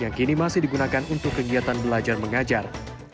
yang kini masih digunakan untuk kegiatan belajar mengajar